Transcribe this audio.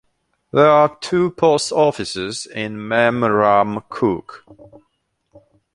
There are two post offices in Memramcook.